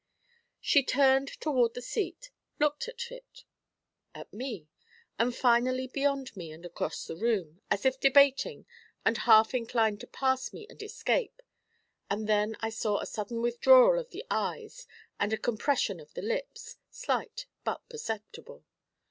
She turned toward the seat, looked at it, at me, and finally beyond me and across the room, as if debating, and half inclined to pass me and escape; and then I saw a sudden withdrawal of the eyes and a compression of the lips, slight but perceptible.